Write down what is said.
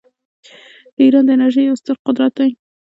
ایران د انرژۍ یو ستر قدرت دی.